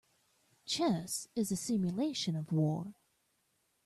Chess is a simulation of war.